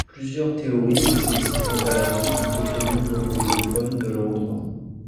Plusieurs théories existent quant à la raison du toponyme anglophone de l'endroit.